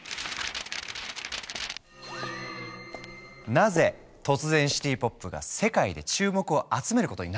なぜ突然シティ・ポップが世界で注目を集めることになったのか。